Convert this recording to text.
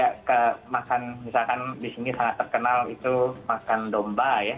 dan kami makan misalkan di sini sangat terkenal itu makan domba ya